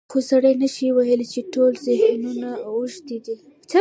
خو سړی نشي ویلی چې ټول ذهنیتونه اوښتي دي.